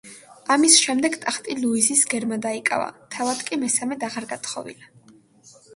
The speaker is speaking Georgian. ამის შემდეგ ტახტი ლუიზის გერმა დაიკავა, თავად კი მესამედ აღარ გათხოვილა.